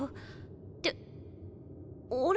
ってあれ？